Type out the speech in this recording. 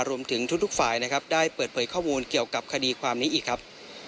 รวมถึงทุกฝ่ายนะครับได้เปิดเผยข้อมูลเกี่ยวกับคดีความนี้อีกครับ